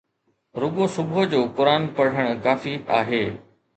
رڳو صبح جو قرآن پڙهڻ ڪافي آهي